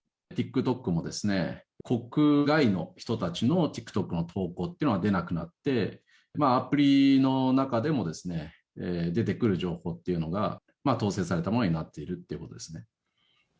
ＴｉｋＴｏｋもですね、国外の人たちのＴｉｋＴｏｋの投稿っていうのは出なくなって、アプリの中でも出てくる情報っていうのが、統制されたものになっているっていうことですね。